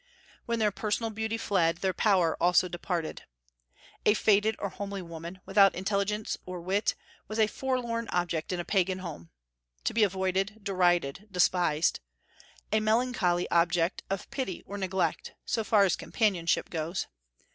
When their personal beauty fled, their power also departed. A faded or homely woman, without intelligence or wit, was a forlorn object in a Pagan home, to be avoided, derided, despised, a melancholy object of pity or neglect, so far as companionship goes.